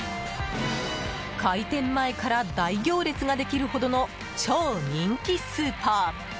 開店前から大行列ができるほどの超人気スーパー。